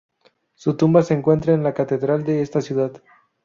Su tumba se encuentra en la catedral de esta ciudad.